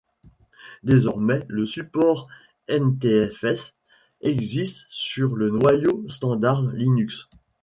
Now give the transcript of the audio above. Désormais le support ntfs existe dans le noyau standard Linux.